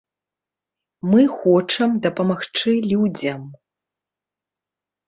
Мы хочам дапамагчы людзям.